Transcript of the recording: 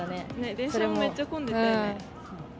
電車もめっちゃ混んでたよね。